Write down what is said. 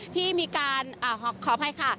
ที่มีการขออภัยค่ะ